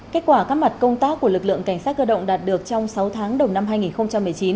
kết quả các mặt công tác của lực lượng cảnh sát cơ động đạt được trong sáu tháng đầu năm hai nghìn một mươi chín